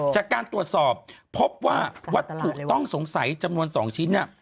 จากการตรวจสอบพบว่าวัตถุต้องสงสัยจำนวน๒ชิ้นเนี่ย